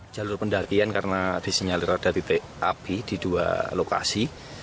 jalur pendakian karena disinyalir ada titik api di dua lokasi